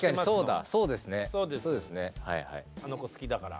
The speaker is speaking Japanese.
あの子好きだから。